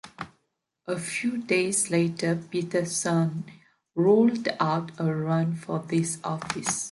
A few days later, Peterson ruled out a run for this office.